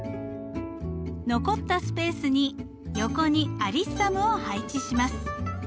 残ったスペースに横にアリッサムを配置します。